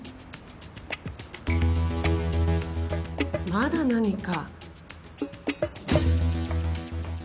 まだ何か？